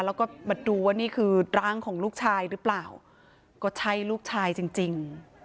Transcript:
แล้วก็มาดูว่านี่คือร่างของลูกชายหรือเปล่าก็ใช่ลูกชายจริงจริง